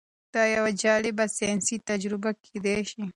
دا یوه جالبه ساینسي تجربه کیدی شي.